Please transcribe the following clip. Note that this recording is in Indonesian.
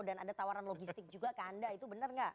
dan ada tawaran logistik juga ke anda itu benar gak